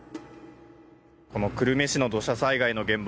この久留米市の土砂災害の現場